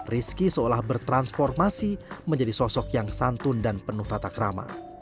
rizky seolah bertransformasi menjadi sosok yang santun dan penuh tatak rama